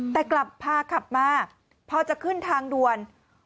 แต่กลับพาขับมาพอจะขึ้นทางด่วน